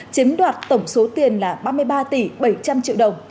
chiếm đoạt tổng số tiền là ba mươi ba tỷ bảy trăm linh triệu đồng